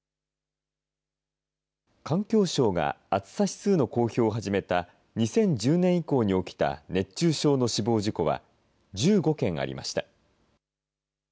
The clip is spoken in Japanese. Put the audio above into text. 環境省が暑さ指数の公表を始めた２０１０年以降に起きた熱中症の死亡事故は１５件ありました。